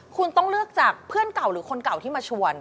คุณต้องเลือกจากเพื่อนเก่าหรือคนเก่าที่มาชวน